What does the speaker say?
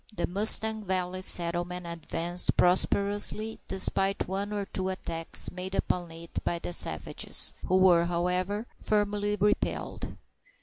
The Mustang Valley settlement advanced prosperously, despite one or two attacks made upon it by the savages, who were, however, firmly repelled.